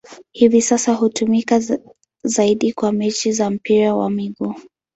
Hivi sasa hutumika zaidi kwa mechi za mpira wa miguu.